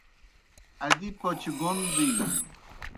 ادی پوْچ گوْن دِینوْ۔